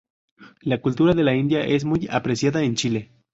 La cultura de la India es muy apreciada en Chile.